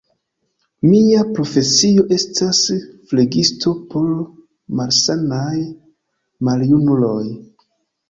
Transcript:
Mia profesio estas flegisto por malsanaj maljunuloj.